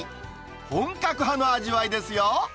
本格派の味わいですよ。